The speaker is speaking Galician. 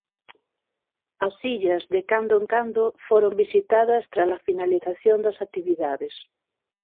As illas de cando en cando foron visitadas tras a finalización das actividades.